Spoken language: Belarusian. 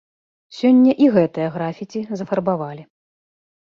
Сёння і гэтае графіці зафарбавалі.